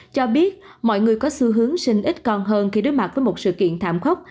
cho biết mọi người có xu hướng sinh ít con hơn khi đối mặt với một sự kiện thảm khốc